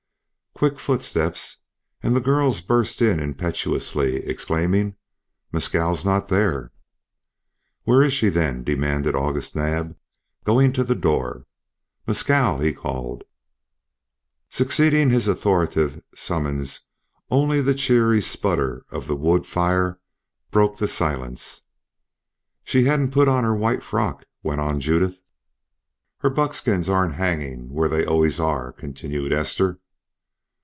Quick footsteps, and the girls burst in impetuously, exclaiming: "Mescal's not there!" "Where is she, then?" demanded August Naab, going to the door. "Mescal!" he called. Succeeding his authoritative summons only the cheery sputter of the wood fire broke the silence. "She hadn't put on her white frock," went on Judith. "Her buckskins aren't hanging where they always are," continued Esther.